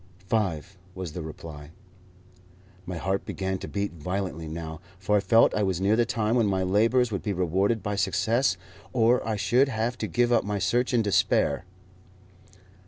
"Five," was the reply. My heart began to beat violently now, for I felt I was near the time when my labours would be rewarded by success, or I should have to give up my search in despair.